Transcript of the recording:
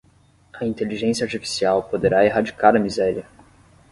A inteligência artificial poderá erradicar a miséria